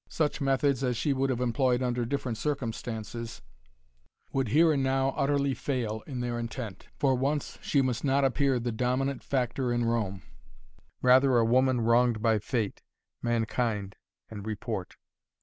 Such methods as she would have employed under different circumstances would here and now utterly fail in their intent. For once she must not appear the dominant factor in Rome, rather a woman wronged by fate, mankind and report.